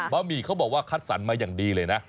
หมี่เขาบอกว่าคัดสรรมาอย่างดีเลยนะ